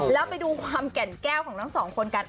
แล้วไปดูความแก่นแก้วของทั้งสองคนกัน